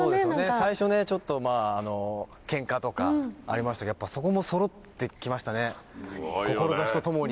最初ね、ちょっとまあ、けんかとかありましたけど、やっぱそこもそろってきましたね、志とともに。